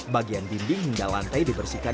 bagian dinding hingga lantai dibersihkan